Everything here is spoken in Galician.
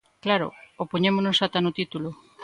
Claro, opoñémonos ata no título.